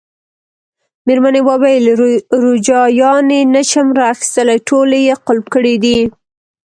مېرمنې وویل: روجایانې نه شم را اخیستلای، ټولې یې قلف کړي دي.